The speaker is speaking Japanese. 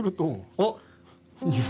あっ。